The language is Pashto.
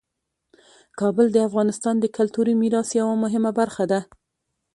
کابل د افغانستان د کلتوري میراث یوه مهمه برخه ده.